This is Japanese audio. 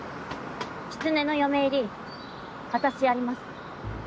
きつねの嫁入りあたしやります。